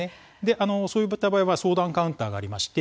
そういった場合は相談カウンターがありまして